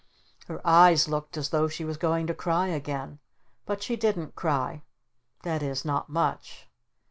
Her eyes looked as though she was going to cry again. But she didn't cry. That is, not much.